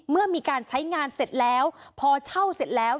เมื่อมีการใช้งานเสร็จแล้วพอเช่าเสร็จแล้ว